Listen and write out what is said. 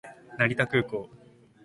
成田空港